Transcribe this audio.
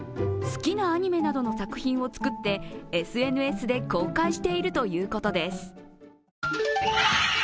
好きなアニメなどの作品を作ってＳＮＳで公開しているということです